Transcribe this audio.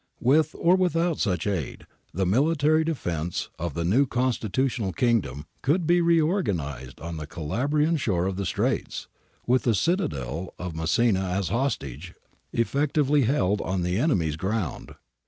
With or without such aid, the military defence of the new constitutional kingdom could be reorganized on the Calabrian shore of the Straits, with the citadel of Messina as a hostage effectively held on the enemy's ground.